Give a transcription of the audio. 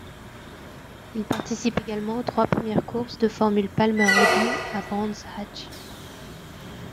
Il participe également aux trois premières courses de Formule Palmer Audi, à Brands Hatch.